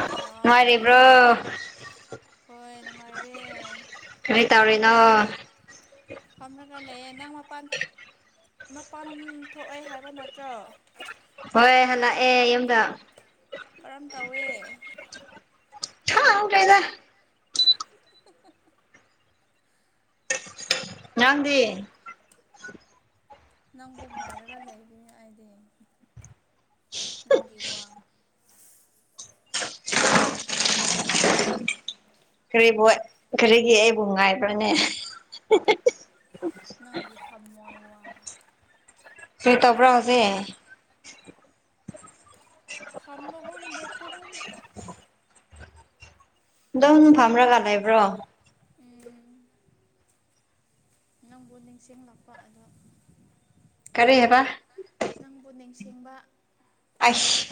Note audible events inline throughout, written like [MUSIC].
hello ꯃꯔꯤꯦꯕ꯭ꯔꯣ ꯍꯣꯏ ꯅꯨꯡꯉꯥꯏꯔꯦ ꯀꯔꯤ ꯇꯧꯔꯤꯅꯣ ꯍꯅꯀ ꯂꯩꯦꯅꯪ ꯃꯄꯥꯟ ꯃꯄꯥꯟ ꯊꯣꯛꯑꯦ ꯍꯥꯏꯕ ꯅꯠꯇ꯭ꯔꯣ ꯍꯣꯏ ꯍꯜꯂꯛꯑꯦ ꯌꯨꯝꯗ ꯀꯔꯝ ꯇꯧꯋꯦ ꯑ ꯍ ꯀꯥꯏꯗ ꯉꯗꯤ ꯅꯪꯕꯨ ꯉꯥꯏꯔꯒ ꯂꯩꯕꯅꯤ ꯑꯩꯗꯤ ꯅꯪꯒꯤ ꯋꯥ ꯀꯔꯤꯕ ꯀꯔꯤꯒꯤ ꯑꯩꯕꯨ ꯉꯥꯏꯕ꯭ꯔꯅꯦ ꯅꯪꯒꯤ ꯊꯝꯃꯣꯏ ꯋꯥ ꯁ ꯇꯄꯔ ꯍꯧꯁꯦ ꯐꯃꯒꯨꯝ ꯂꯦꯞꯄꯒꯨꯝ ꯗꯝ ꯐꯥꯝ꯭ꯔꯥꯒꯥꯟ ꯂꯩꯕ꯭ꯔꯣ ꯎꯝ ꯅꯪꯕꯨ ꯅꯤꯡꯁꯤꯡꯂꯛꯄ ꯑꯗꯣ ꯀꯔꯤ ꯍꯦꯕ ꯊꯤꯡꯕ ꯑꯁ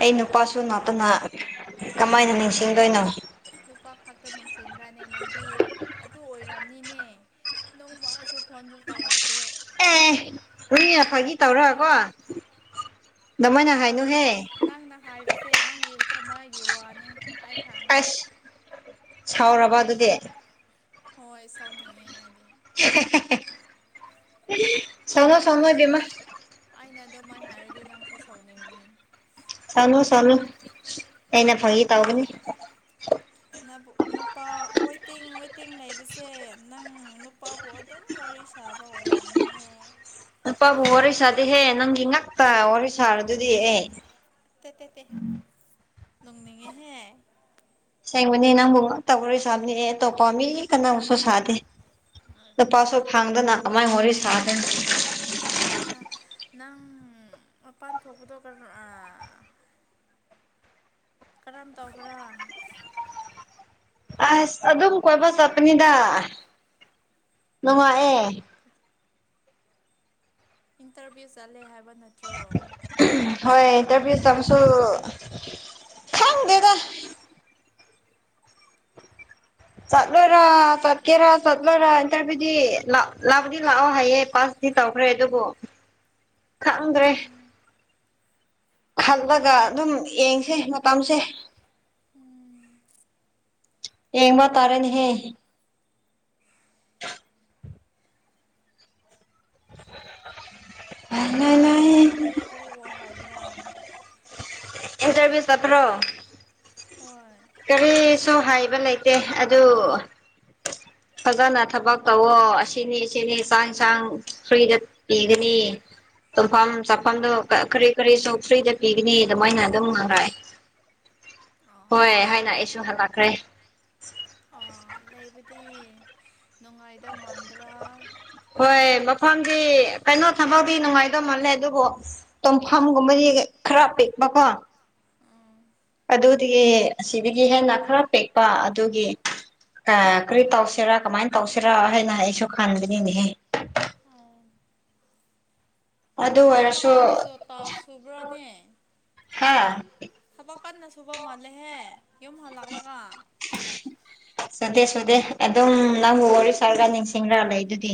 ꯑꯩ ꯅꯨꯄꯥꯁꯨ ꯥꯛꯇꯅ ꯀꯃꯥꯏꯅ ꯅꯤꯡꯁꯤꯡꯗꯣꯏꯅꯣ ꯅꯨꯄꯥ ꯈꯛꯇ ꯅꯦ ꯅꯣꯡꯃꯁꯨ ꯐꯣꯟꯁꯨ ꯇꯧꯔꯛꯇꯦ ꯇꯧꯔꯀꯣ ꯑꯣꯏꯔꯝꯅꯤ ꯅꯪꯅ ꯍꯥꯏꯕꯁꯦ ꯅꯪꯒꯤ ꯊꯃꯥꯏꯒꯤ ꯋꯥꯅꯤ ꯑ ꯈꯉ ꯑꯁ ꯁꯥꯎꯔꯕ ꯑꯗꯨꯗꯤ ꯍꯣꯏ ꯁꯥꯎ ꯅꯦ ꯑꯗꯤ ꯆꯉꯣ ꯁꯉꯣꯏ ꯕꯤꯃꯥ ꯑ ꯃꯥꯏ ꯍꯥꯏꯔꯗꯤ ꯅꯪꯁꯨ ꯁꯥꯎꯅꯤꯡꯉꯤ ꯁꯅꯨ ꯁꯠꯅꯨ ꯑꯩꯅ ꯐꯪꯉꯤ ꯇꯧꯒꯅꯤ ꯅꯨꯄꯥ ꯋꯦꯇꯤꯡ ꯋꯦꯇꯤꯡ ꯂꯩꯕꯁꯦ ꯅꯪ ꯅꯨꯄꯥꯕꯨ ꯑꯗꯨꯝ ꯋꯥꯔꯤ ꯁꯥ ꯕꯕꯥ ꯑꯣꯔꯝꯅꯤꯍꯦ ꯄꯥꯕꯨ ꯋꯥꯔꯤ ꯁꯥꯗꯤꯍꯦ ꯅꯪꯒꯤ ꯉꯛꯄ ꯋꯥꯔꯤ ꯁꯥꯔꯗꯨꯗꯤꯍꯦ ꯅꯣꯡꯅꯤꯡꯉꯍꯦ ꯁꯦꯡꯕꯅꯦ ꯅꯪꯕꯨ ꯉ ꯇꯧꯔꯔꯣꯏ ꯁꯥꯕꯅꯦ ꯑꯇꯣꯞ ꯄꯥꯝꯃꯤ ꯀꯅꯥꯕꯨ ꯁ ꯁꯥꯗꯦ ꯂꯨꯄꯥꯁꯨ ꯐꯥꯡꯗꯅ ꯀꯃꯥꯏ ꯋꯥꯔꯤ ꯁꯥꯗꯣꯏꯅ ꯐꯖꯗꯦꯗ ꯅꯪ ꯃꯄꯥꯟ ꯊꯣꯛꯄꯗꯣ ꯀꯣ ꯀꯔꯝ ꯇꯧꯕ꯭ꯔꯥ ꯑꯁ ꯑꯗꯨꯝ ꯀꯣꯏꯕ ꯆꯠꯄꯅꯤꯗ ꯅꯨꯡꯉꯥꯏꯑꯦ ꯏꯟꯇꯔꯚꯌꯦ ꯍꯥꯏ ꯐꯥꯕ ꯅꯠꯇ꯭ꯔꯣ ꯍꯣꯏ ꯀꯔꯝꯍꯥꯏꯅ ꯇꯕ꯭ꯔꯥ ꯈꯥꯡꯪꯗꯦꯗ ꯆꯠꯂꯣꯔ ꯆꯠꯀꯦꯔ ꯆꯠꯂꯣꯔ ꯏꯟꯇꯔꯕꯨꯗꯤ ꯂ ꯂꯥꯎꯕꯗꯤ ꯂꯥꯛꯑꯣ ꯍꯥꯏꯌꯦꯦ ꯄꯥꯁ ꯁꯤ ꯇꯧꯈ꯭ꯔꯦ ꯑꯗꯨꯕꯨ ꯈꯪꯗ꯭ꯔꯦ ꯈꯜꯂꯒ ꯑꯗꯨꯝ ꯌꯦꯡꯁꯦ ꯃꯇꯝꯁꯦ ꯎꯝ ꯌꯦꯡ ꯃꯥ ꯇꯥꯔꯦꯅꯦ ꯍꯦ ꯃꯌꯦꯛ ꯁꯦꯪꯅꯥ ꯇꯥꯗꯔꯦ [INAUDIBLE] ꯏꯟꯇꯔꯚꯤꯌꯨ ꯇꯧꯕꯗ ꯀꯔꯤ ꯀꯔꯤ ꯋꯥ ꯍꯥꯏꯕ꯭ꯔꯥ ꯑ ꯍꯖꯔꯕꯤꯁ ꯆꯠꯇ꯭ꯔꯣ ꯍꯣꯏ ꯀꯔꯤꯁꯨ ꯍꯥꯏꯕ ꯂꯩꯇꯦ ꯑꯗꯨ ꯐꯖꯅ ꯊꯕꯛ ꯇꯧꯋꯣ ꯑꯁꯤꯅꯤ ꯁꯤꯅꯤ ꯆꯥꯡ ꯁꯥꯡ ꯐ꯭ꯔꯤꯗ ꯄꯤꯒꯅꯤ ꯇꯨꯝꯐꯝ ꯆꯥꯐꯝꯗꯣ ꯀꯔꯤ ꯀꯔꯤꯁꯨ ꯐ꯭ꯔꯤꯗ ꯄꯤꯒꯅꯤ ꯑꯗꯨꯃꯥꯏꯅ ꯑꯗꯨꯝ ꯉꯔꯛꯑ ꯁꯨꯁ [INAUDIBLE] ꯍꯣꯏ ꯍꯥꯏꯅ ꯑꯩꯁꯨ ꯍꯜꯂꯛꯈ꯭ꯔꯦ ꯑꯥ ꯂꯩꯕꯗꯤ ꯅꯨꯡꯉꯥꯏꯗꯧ ꯃꯥꯟꯕ꯭ꯔꯥ ꯍꯣꯏ ꯅꯠꯇ꯭ꯔꯒ ꯃꯐꯝꯗꯤ ꯀꯩꯅꯣ ꯊꯕꯛꯗꯤ ꯅꯨꯡꯉꯥꯏꯗꯧ ꯃꯥꯜꯂꯦ ꯑꯗꯨꯕꯨ ꯇꯣꯝꯐꯝꯒꯨꯝꯕꯗꯤ ꯈꯔ ꯄꯤꯛꯄꯀꯣ ꯎꯝ ꯑꯗꯨꯗꯤ ꯑꯁꯤꯗꯒꯤ ꯍꯦꯟꯅ ꯈꯔ ꯄꯤꯦꯛꯄ ꯑꯗꯨꯒꯤ ꯀꯔꯤ ꯑꯣ ꯇꯧꯁꯤꯔꯥ ꯀꯃꯥꯏꯅ ꯇꯧꯁꯤꯔꯥ ꯍꯥꯏꯅ ꯑꯩꯁꯨ ꯈꯟꯕꯅꯤꯅꯦꯍꯦ ꯑꯗꯨ ꯅꯪ ꯊꯕꯛ ꯑꯣꯏꯔꯁꯨ ꯀꯥꯟꯗꯁꯨ ꯁꯨꯕ꯭ꯔꯥꯅꯦ ꯍꯥ ꯀꯟꯅ ꯁꯨꯕ ꯃꯥꯜꯂꯦꯍꯦ ꯌꯨꯝ ꯍꯜꯂꯛꯂꯒ ꯆꯨꯗꯦ ꯁꯨꯗꯦ ꯑꯗꯨꯝ ꯅꯪꯕꯨ ꯋꯥꯔꯤ ꯁꯥꯔꯒ ꯅꯤꯡꯁꯤꯡꯂ ꯂꯩ ꯑꯗꯨꯗꯤ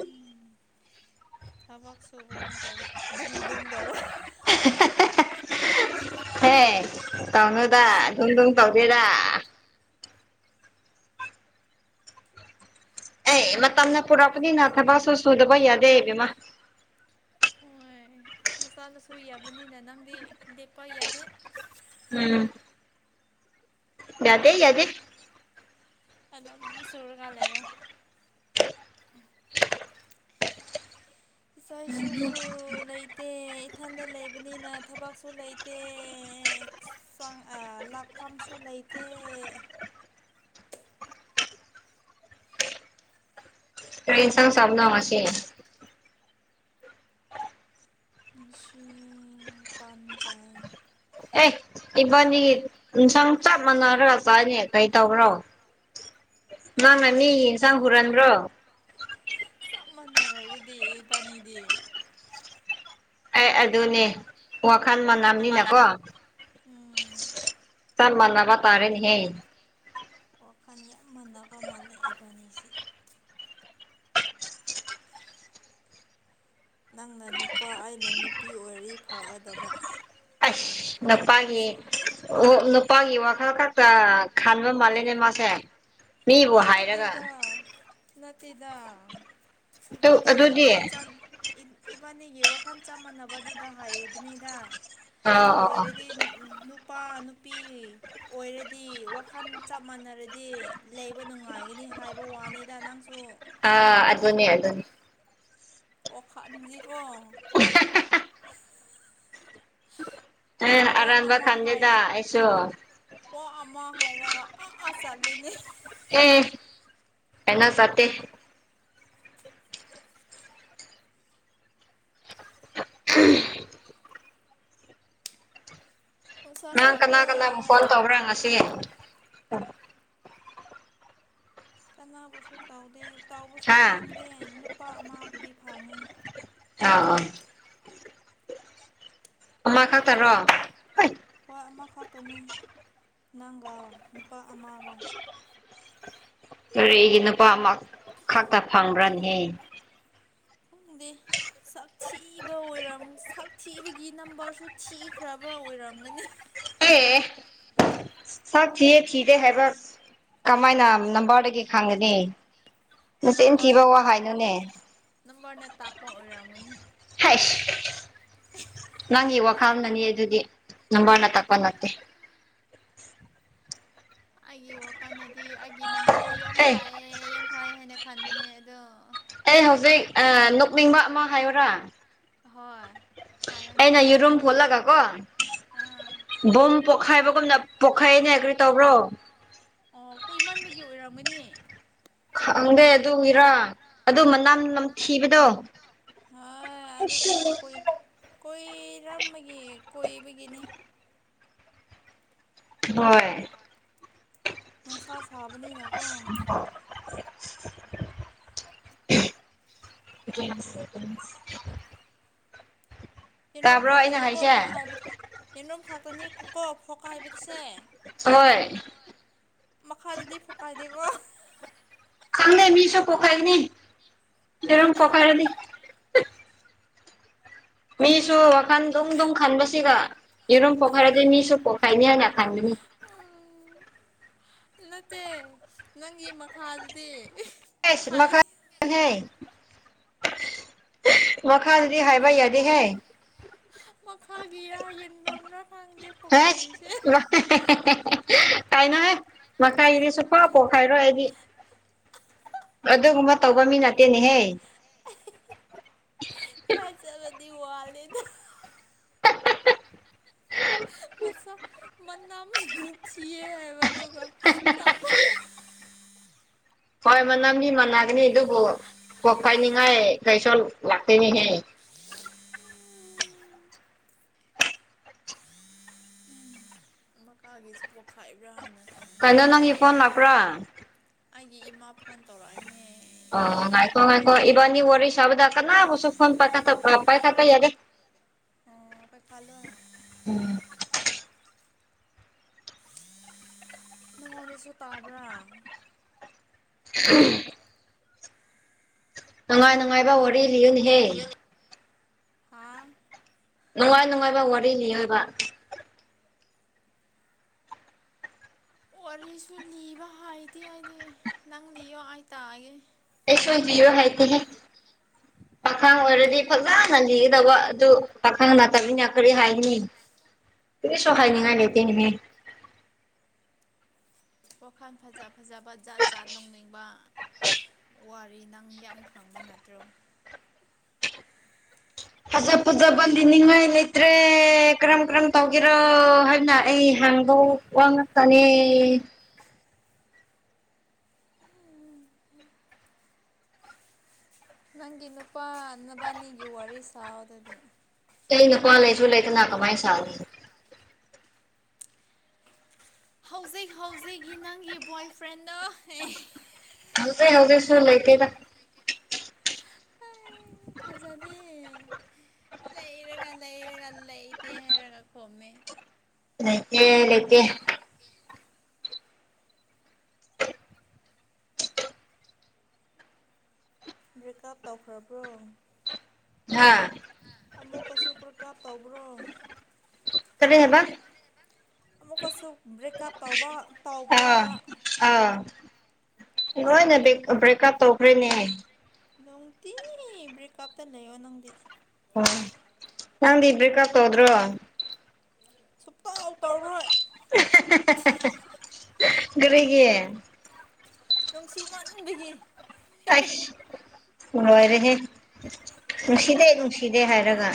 ꯎ ꯊꯕꯛ ꯁꯨꯕꯒꯨꯝ ꯇꯧꯕ ꯨꯡ ꯨꯡ ꯇꯧꯕ ꯍꯦ ꯇꯧꯅꯨꯗ ꯑꯗꯨꯝ ꯝ ꯇꯧꯗꯦꯗ ꯑꯦꯃ ꯇꯅ ꯄꯨꯔꯥꯄꯅꯤ ꯅ ꯊꯕ ꯁꯨ ꯁꯨꯗꯕ ꯌꯥꯗꯦꯕꯃ ꯍꯣꯏ ꯅꯆꯥ ꯂꯁꯨ ꯌꯥꯕꯅꯤꯅ ꯅꯪꯗꯤ ꯂꯦꯞꯄ ꯌꯥꯗꯦ ꯎꯝ ꯌꯥꯗꯦ ꯌꯥꯗꯦ ꯑꯗꯣ ꯆꯨꯔꯒ ꯂꯩꯣ ꯏꯆꯥ ꯏꯁꯨꯁꯨ ꯂꯩꯇꯦ ꯏꯊꯟꯗ ꯂꯩꯕꯅꯤꯅ ꯊꯕꯛꯁꯨ ꯂꯩ ꯇ ꯂꯥꯛꯐꯝꯁꯨ ꯂꯩꯇꯦ ꯐ꯭ꯔꯦꯟꯁꯥꯡ ꯁꯣꯝꯅ ꯃꯥꯁ ꯁꯤ ꯄꯥꯟꯖꯏ ꯑꯦ ꯏꯕꯅꯤ ꯁꯪ ꯆꯥ ꯃꯅꯔ ꯆꯅꯤ ꯇꯩ ꯇꯕ꯭ꯔꯣ ꯑꯥꯎ ꯃꯪꯅꯅꯤ ꯏꯟꯁꯥꯡ ꯍꯨꯔꯟ꯭ꯔꯣ ꯆꯞ ꯃꯥꯟꯅꯔ ꯑꯗꯨꯗꯤꯦ ꯄꯅꯤꯗꯤ ꯑꯩ ꯑꯗꯨꯅꯦ ꯁꯥꯟꯃ ꯅꯅꯤꯅ ꯀꯣ ꯎꯝ ꯆꯥꯟꯃ ꯇꯥꯔꯦꯅꯦ ꯍꯦ ꯋꯥꯈꯜ ꯌꯥꯝ ꯃꯥꯟꯅꯕ ꯃꯥꯜꯂꯦ ꯏꯕꯥꯅꯤꯁꯦ ꯅꯪꯅ ꯅꯨꯄꯥ ꯑꯩꯅ ꯅꯨꯄꯤ ꯑꯣꯏꯔꯤ ꯐꯒꯗꯕ ꯅꯄꯒꯦ ꯏꯁꯣꯔ ꯄꯒꯤ ꯋꯥ ꯈꯂ ꯀ ꯇ ꯈꯥꯟꯥꯟꯕ ꯃꯥꯜꯂꯦꯅꯦ ꯃꯥꯁꯦ ꯃꯤꯕꯨ ꯍꯥꯏꯔꯒ ꯅꯠꯇꯦꯗ ꯅꯠꯇꯦꯗ ꯏꯕꯥꯅꯤ ꯌ ꯑꯗꯨꯗꯤ ꯋꯥꯈꯥꯟ ꯑꯥ ꯆꯥꯟ ꯕꯥꯅꯤꯒꯤ ꯋꯥꯈꯜ ꯆꯞ ꯃꯥꯟꯅꯕꯗꯨꯗ ꯍꯥꯏꯔꯤꯕꯅꯤꯗ ꯑꯗꯨ ꯑꯣ ꯑꯣ ꯑꯣꯏꯔꯗꯤ ꯅꯨꯄꯥ ꯅꯨꯄꯤ ꯑꯣꯏꯔꯗꯤ ꯋꯥꯈꯜ ꯆꯞ ꯃꯥꯟꯅꯔꯗꯤ ꯂꯩ ꯑꯩꯣꯏ ꯅꯨꯡꯉꯥꯏꯒꯅꯤ ꯍꯥꯏꯕ ꯋꯥꯅꯤꯗ ꯅꯪꯁꯨ ꯑꯥ ꯑꯗꯨꯅꯦ ꯑꯗꯨꯅꯦ ꯑꯣ ꯍꯥꯟꯖꯤ ꯀꯣ ꯑꯦ ꯋꯥ ꯑꯔꯥꯟꯕ ꯑ ꯈꯟꯗꯦꯗ ꯍꯥꯏꯔ ꯑꯩꯁꯨ ꯋꯥ ꯑꯃ ꯍꯥꯏꯔꯒ ꯑ ꯑ ꯆꯠꯂꯅꯦ ꯑꯦ ꯑꯦꯅꯥ ꯆꯥꯇꯦ ꯎꯝ ꯅꯨꯡꯁꯥ ꯅꯪ ꯀꯅꯥ ꯁꯥꯕ꯭ꯔꯣ ꯀꯅꯥ ꯑꯃꯨꯛ ꯐꯣꯟ ꯇꯧꯕ꯭ꯔꯥ ꯉꯁꯤꯦ ꯀꯅꯥ ꯀꯁ ꯇꯧꯗ ꯇꯥꯎꯕꯁꯨ ꯑꯥ ꯐꯪꯗꯦ ꯅꯨꯄꯥ ꯑꯃꯕꯨꯗꯤ ꯐꯥꯡꯉꯤ ꯑꯥ ꯑꯃꯥ ꯈꯥ ꯑꯣ ꯑꯃ ꯈ ꯇꯅꯤ ꯅꯪꯒ ꯅꯨꯄꯥ ꯑꯃꯒ ꯀꯒꯤ ꯅꯨꯄꯥ ꯑꯃ ꯈꯛꯇ ꯐꯪꯕ꯭ꯔꯅꯦꯍꯦ ꯊꯣꯡꯦ ꯁꯛ ꯊꯤꯕꯔ ꯁꯛ ꯊꯤꯕꯒꯤ ꯅꯝꯕꯔꯁꯨ ꯊꯤꯈ꯭ꯔꯕ ꯑꯣꯏꯔꯝꯒꯅꯤ ꯑꯦ ꯁꯛ ꯊꯤꯌꯦ ꯊꯤꯗꯦ ꯍꯥꯏꯕ ꯀꯃꯥꯏꯅ ꯅꯝꯕꯔꯗꯒꯤ ꯈꯪꯒꯅꯤ ꯃꯆꯤꯟ ꯅꯝꯕꯔꯅ ꯊꯤꯕ ꯋꯥ ꯇꯥꯛꯄ ꯍꯥꯏꯅꯨꯅꯦ ꯅꯝꯕꯔꯅ ꯇꯥꯛꯄ ꯑꯣꯏꯔꯝꯒꯅꯤ ꯍꯁ ꯅꯪ ꯏ ꯋꯥ ꯀꯥꯜ ꯅꯅꯤ ꯌꯦ ꯑꯗꯨꯗꯤ ꯅꯕꯥꯥꯜꯅ ꯇꯀꯣꯅꯠꯇꯦ ꯑꯩꯒꯤ ꯋꯥꯈꯜꯗꯗꯤ ꯑꯩꯒꯤ ꯅꯝꯕꯔꯗꯤ ꯌꯥꯝ ꯑꯦ ꯐꯩꯌꯦ ꯌꯥꯝ ꯐꯩ ꯍꯥꯏꯅ ꯈꯟꯕꯅꯦ ꯑꯗꯣ ꯑꯩ ꯍꯧꯖꯤꯛ ꯈꯪ ꯅꯣꯛꯅꯤꯡꯕ ꯑꯃ ꯍꯥꯏꯌꯨꯔꯥ ꯍꯣꯏ ꯍꯥꯏꯌꯣꯅꯦ ꯑꯩꯅ ꯌ ꯔꯨꯨꯝ ꯈꯣꯜꯂꯒ ꯀꯣ ꯑꯥ ꯕꯣꯝ ꯄꯣꯛꯈꯥꯏꯕ ꯀꯝꯅ ꯄꯣꯛꯈꯥꯏꯑꯅ ꯑꯦꯒ꯭ꯔꯤ ꯇꯧꯕ꯭ꯔꯣ ꯑꯣ ꯀꯣꯏ ꯏꯃꯥꯟꯕꯒꯤ ꯑꯣꯏꯔꯝꯒꯅꯤ ꯈꯪꯗꯦ ꯑꯗꯨ ꯏꯔꯥ ꯑꯗꯨ ꯃꯅꯝ ꯅꯊꯤꯕꯗꯣ ꯍꯣꯏ ꯑꯗꯨꯗꯤ ꯑꯁ ꯀꯨꯏ ꯀꯣꯏꯔꯝꯕꯒꯤ ꯀꯣꯏꯕꯒꯤꯅꯤ ꯍꯣꯏ ꯅꯨꯡꯁꯥ ꯁꯥꯕꯅꯤꯅꯀꯣ [UNINTELLIGIBLE] ꯌꯦꯟꯔꯨꯝꯝ ꯇꯥꯕ꯭ꯔꯣ ꯑꯩꯅ ꯈꯥꯛꯇꯅꯤꯀꯣ ꯍꯥꯏꯁꯦ ꯐꯣꯛꯈꯥꯏꯕ ꯌꯦꯟꯂꯣꯝ ꯈꯇꯅꯤ ꯀꯣ ꯐꯣꯛꯈꯥꯏꯕꯗꯨꯁꯦ ꯍꯣꯏ ꯃꯈꯥꯗꯗꯤ ꯐꯨꯀꯥꯏꯗꯦꯀꯣ ꯈꯪꯅꯤ ꯃꯤꯁꯣ ꯄꯣꯈꯥꯏꯅꯤ ꯌꯦꯔꯣꯝ ꯄꯣꯈꯥꯏꯔꯅꯤ ꯃꯤꯁꯨ ꯋꯥꯈꯟ ꯝ ꯑꯗꯨꯝ ꯈꯟꯕꯁꯤꯒ ꯌꯦꯔꯝ ꯄꯣꯛꯈꯥꯏꯔꯗꯤ ꯃꯤꯁꯨꯣ ꯄꯣꯈꯥꯏꯅꯤ ꯍꯥꯏꯅꯥ ꯈꯪꯅꯤ ꯅꯠꯇꯦ ꯅꯪꯒꯤ ꯃꯈꯥꯗꯗꯤ ꯁ ꯃꯈꯥ ꯃꯈꯥ ꯍꯥꯏꯏꯕꯏ ꯌꯥꯗꯤ ꯍꯥꯏ ꯃꯈꯥꯒꯤꯔꯥ ꯌꯦꯟꯐꯝꯝꯅ꯭ꯔ ꯈꯪꯗꯦ ꯑꯁ ꯄꯣꯈꯥꯏꯔꯤꯁꯦ ꯀꯥꯏꯅꯉꯦ ꯃꯈꯥꯏꯗꯤ ꯁꯨꯊ ꯄꯣꯛꯈꯥꯏꯔꯣ ꯑꯩꯗꯤ ꯑꯗꯨꯒꯨꯝꯕ ꯇꯧꯕ ꯃꯤ ꯅꯠꯇꯦꯅꯦꯍꯦ ꯀꯗꯤ ꯋꯥꯅꯤꯗ ꯃ ꯑꯃ ꯊ ꯍꯥꯏꯕꯗꯨꯃ ꯍꯣꯏ ꯃꯅꯝꯗꯤ ꯃꯥꯟꯅꯒꯅꯤ ꯑꯗꯨꯕꯨ ꯀꯣꯛ ꯐꯥꯏꯅꯤꯡꯉꯥꯏ ꯀꯩꯁꯣ ꯂꯥꯛꯇꯅꯤ ꯍꯦ ꯃꯀꯥꯒꯤꯁꯨ ꯄꯣꯛꯈꯥꯏꯕ꯭ꯔꯥ ꯍꯥꯏꯅ ꯈꯟꯕ ꯀꯗꯣ ꯅꯉ ꯑꯩꯗꯤ ꯐꯣꯟ ꯂꯄ꯭ꯔꯥ ꯑꯩꯒꯤ ꯏꯃꯥ ꯐꯣꯟ ꯇꯧꯔꯛꯑꯦ ꯑꯣ ꯍꯥꯏꯥꯏꯀꯣ ꯍꯥꯏꯥꯏꯀꯣ ꯏꯕꯅꯤ ꯋꯥꯔꯤ ꯁꯕꯗꯀꯅꯥ ꯐꯣꯟ ꯄꯥꯏ ꯄꯥꯏ ꯈ ꯀ ꯌꯥꯗ ꯑ ꯑꯣꯏ ꯈꯂꯣ ꯍꯥꯏ ꯎꯝ ꯅꯪꯉꯣꯟꯗꯁꯨ ꯇꯥꯕ꯭ꯔꯥ ꯎ ꯅꯨꯡꯉꯥꯏ ꯅꯨꯡꯉꯥꯏꯕ ꯋꯥꯔꯤ ꯂꯤꯌꯨꯅꯍꯦ ꯍꯥ ꯅꯨꯡꯉꯥꯏ ꯅꯨꯡꯉꯥꯏꯕ ꯋꯥꯔꯤꯅꯤ ꯑꯣꯏꯕ ꯋꯥꯔꯤꯁꯨ ꯂꯤꯕ ꯍꯥꯏꯗꯤꯦ ꯍꯥꯏꯗꯤ ꯅꯪ ꯂꯤꯌꯣ ꯑꯩ ꯇꯥꯒꯦ ꯑꯦꯁꯃ ꯔꯣ ꯍꯥꯏꯍꯦ ꯄꯈꯥ ꯑꯣꯏꯔ ꯗꯤ ꯅꯪ ꯐꯖꯅ ꯂꯤꯒꯗꯕ ꯑꯗꯨ ꯄꯥꯈꯪ ꯃꯇꯝꯅꯤꯃꯤꯅ ꯀꯔꯤ ꯍꯥꯏꯅꯤ ꯀꯗꯤ ꯁꯣꯍꯥꯏꯅꯤꯉꯥꯏ ꯂꯩꯦꯇꯅꯦꯅꯦ ꯋꯥꯈꯜ ꯐꯖ ꯐꯖꯕ ꯖꯥꯠ ꯖꯥꯠ ꯅꯧꯅꯤꯡꯕ ꯋꯥꯔꯤ ꯅꯪ ꯌꯥꯝ ꯈꯪꯕ ꯅꯠꯇ꯭ꯔꯣ ꯐꯖ ꯐꯖꯕꯗꯤꯅꯤꯡꯉꯥꯏ ꯂꯩꯇ꯭ꯔꯦ ꯀꯔꯝ ꯀꯔꯝ ꯇꯧꯒꯦꯔꯣ ꯍꯥꯏꯅ ꯑꯩ ꯍꯥꯏ ꯅꯪꯗ ꯋꯥꯅꯤ ꯅꯪꯒꯤ ꯅꯨꯄꯥ ꯅ ꯅꯕꯥꯅꯤꯒꯤ ꯋꯥꯔꯤ ꯁꯥꯥꯎꯗꯗꯤ ꯑꯩꯅ ꯄꯥ ꯂꯩꯁꯨ ꯂꯩꯇꯅꯍ ꯀꯃꯥꯏꯅ ꯁꯥꯅꯤ ꯍꯧꯖꯤꯛ ꯍꯧꯖꯤꯛꯀꯤ ꯅꯪꯒꯤ ꯕꯣꯏ ꯐ꯭ꯔꯦꯟꯅ ꯍꯧꯖꯤꯛ ꯍꯧꯖꯤꯛ ꯁꯨ ꯂꯩꯒꯦꯅ ꯑꯩ ꯊꯖꯥꯅꯦꯦ ꯂꯩꯔꯒ ꯂꯩꯔꯒ ꯂꯩꯇꯦ ꯍꯥꯏꯔꯒ ꯈꯣꯝꯃꯦ ꯂꯩꯇꯦ ꯂꯩꯇ ꯕ꯭ꯔꯦꯛꯀꯑꯞ ꯇꯧꯈ꯭ꯔꯕ꯭ꯔꯣ ꯍꯥꯥ ꯑꯃꯨꯛꯀꯁꯨ ꯄ꯭ꯔꯀꯥꯞ ꯇꯧꯕ꯭ꯔꯣ ꯇꯔ ꯍꯕ ꯑꯃꯨꯛꯀꯁꯨ ꯕ꯭ꯔꯦꯛꯀꯞ ꯇꯧꯕ ꯑꯥ ꯇꯧꯕ꯭ꯔꯕ ꯑꯥ ꯂꯣꯏꯅ ꯕ꯭ꯔꯦꯛꯑꯞ ꯇꯧꯈ꯭ꯔꯦꯅꯦ ꯅꯪꯗꯤ ꯭ꯔꯦꯀꯞꯇ ꯂꯩ ꯑꯣꯣ ꯅꯪꯗꯤ ꯑꯣ ꯅꯪꯗꯤ ꯕꯔ꯭ꯤꯛꯀꯞ ꯇꯧꯗ꯭ꯔꯣ ꯁꯨꯛꯇꯥꯎ ꯇꯧꯔꯣꯏ ꯒꯔꯤꯒꯤ ꯅꯨꯡꯁꯤꯃꯟꯕꯒꯤ ꯑꯁ ꯂꯣꯏꯔꯦꯍꯦ ꯅꯨꯡꯁꯤꯗꯦ ꯅꯨꯡꯁꯤꯗꯦ ꯍꯥꯏꯔꯒ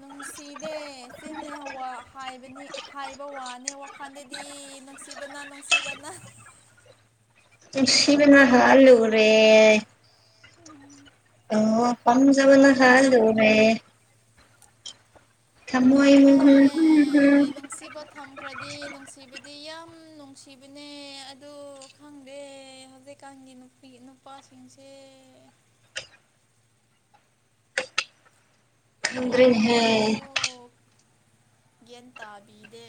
ꯅꯨꯡ ꯁꯤꯗꯦ ꯍꯛꯆꯤꯟꯅꯦ ꯋꯥ ꯍꯥꯏꯕꯅꯤ ꯍꯥꯏꯕ ꯋꯥꯅꯤ ꯋꯥꯈꯜꯗꯗꯤ ꯅꯨꯡꯁꯤꯕꯅ ꯅꯨꯡꯁꯤꯕꯅ [INAUDIBLE] ꯅꯨꯁꯤꯕꯅ ꯍꯥꯜꯂꯨꯔꯦ ꯎꯝ ꯑꯣ ꯄꯝꯖꯕꯅ ꯍꯥꯂꯨꯔꯦ ꯊꯃꯣꯏ ꯍ ꯍꯨꯝ ꯍꯨ ꯍꯨꯝ ꯍꯩ ꯗꯤ ꯌꯥꯝ ꯅꯨꯡꯁꯤꯕꯅꯦ ꯑꯗꯨ ꯈꯪꯗꯦ ꯍꯧꯖꯤꯛꯀꯥꯟꯒꯤ ꯅꯨꯄꯤ ꯅꯨꯄꯥ ꯁꯤꯡꯁꯦ ꯃꯤꯒꯤ ꯈꯪꯗ꯭ꯔꯦꯅꯦꯍꯦ ꯋꯥꯈꯜꯁꯨ ꯒ꯭ꯌꯥꯟ ꯇꯥꯕꯤꯗꯦ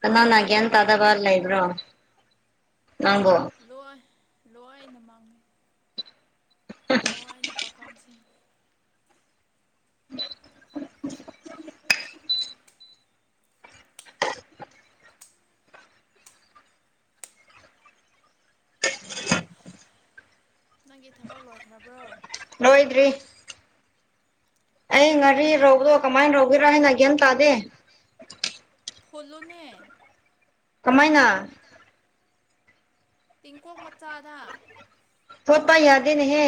ꯀꯅꯥꯅ ꯒ꯭ꯌꯥꯟ ꯇꯥꯗꯕ ꯂꯩꯕ꯭ꯔꯣ ꯅꯪꯕꯨ ꯂꯣꯏ ꯂꯣꯏꯅ ꯃꯥꯡꯉꯤ [UNINTELLIGIBLE] ꯀꯝꯁꯤꯡ ꯅꯪꯒꯤ ꯊꯕꯛ ꯂꯣꯏꯈ꯭ꯔꯕ꯭ꯔꯣ ꯂꯣꯏꯗ꯭ꯔꯤ ꯑꯩ ꯉꯥꯔꯤ ꯔꯧꯕꯗꯣ ꯀꯃꯥꯏꯅ ꯔꯧꯕꯒꯔꯥ ꯍꯥꯏꯅ ꯒ꯭ꯌꯥꯟ ꯇꯥꯗꯦ ꯐꯣꯂꯣꯅꯦ ꯀꯃꯥꯏꯅ ꯇꯤꯡꯀꯣꯡ ꯃꯠ ꯐꯣꯠꯄꯥꯏ ꯌꯥꯗꯤꯅꯦꯍꯦ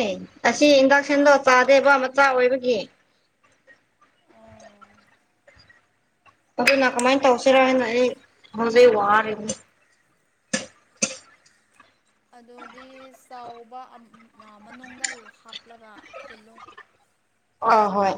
ꯑꯁꯤ ꯏ ꯗꯛꯁꯟꯗꯣ ꯆꯥꯗꯦꯕ ꯃꯆꯥ ꯑꯣꯏꯕꯒꯤ ꯑꯣ ꯑꯗꯨꯅ ꯀꯃꯥꯏꯟ ꯇꯧꯁꯤꯔ ꯍꯥꯏꯅ ꯑꯩ ꯍꯧꯖꯤꯛ ꯋꯥꯔꯦꯅꯤ ꯑꯗꯨꯗꯤ ꯆꯥꯎꯕ ꯑꯝ ꯃꯅꯨꯡꯗ ꯍꯥꯞꯂꯒ ꯐꯨꯜꯂꯣ ꯑ ꯍꯣꯏ